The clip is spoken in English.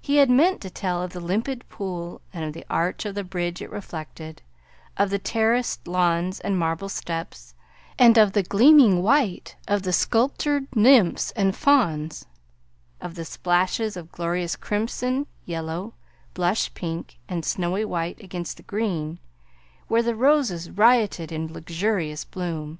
He had meant to tell of the limpid pool and of the arch of the bridge it reflected; of the terraced lawns and marble steps, and of the gleaming white of the sculptured nymphs and fauns; of the splashes of glorious crimson, yellow, blush pink, and snowy white against the green, where the roses rioted in luxurious bloom.